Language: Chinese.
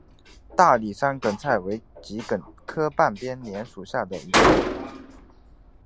大理山梗菜为桔梗科半边莲属下的一个种。